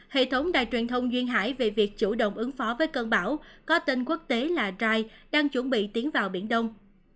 hệ thống đài truyền thông duyên hải về việc chủ động ứng phó với cơn bão có tên quốc tế là rai đang chuẩn bị tiến vào biển đông